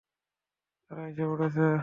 তারা এসে পড়েছে।